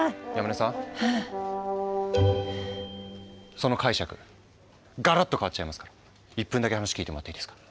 その解釈ガラッと変わっちゃいますから１分だけ話聞いてもらっていいですか？